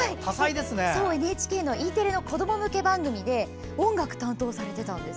ＮＨＫのＥテレの子ども向け番組で音楽を担当されていたんです。